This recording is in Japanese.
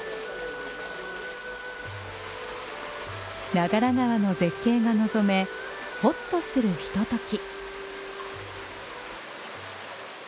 長良川の絶景が望め、ほっとするひととき。